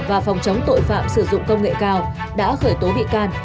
và phòng chống tội phạm sử dụng công nghệ cao đã khởi tố bị can